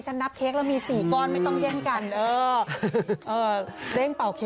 ป่าวเต็มที่ไปเลยลูก